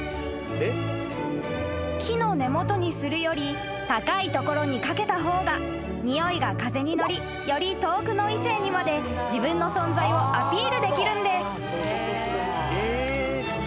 ［木の根元にするより高いところにかけた方がにおいが風に乗りより遠くの異性にまで自分の存在をアピールできるんです］